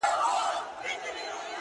• چي پاتېږي له نسلونو تر نسلونو,,!